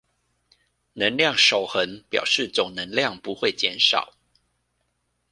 能量守恆表示總能量不會減少